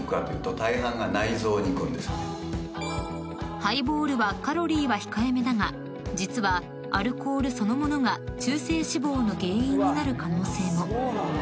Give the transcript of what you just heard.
［ハイボールはカロリーは控えめだが実はアルコールそのものが中性脂肪の原因になる可能性も］